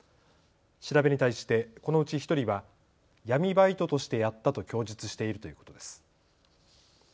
調べに対してこのうち１人は闇バイトとしてやったと供述しているということです。